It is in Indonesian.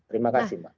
terima kasih mbak